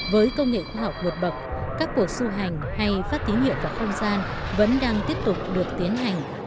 với công nghệ khoa học nguộc bậc các cuộc xu hành hay phát thí nghiệm vào không gian vẫn đang tiếp tục được tiến hành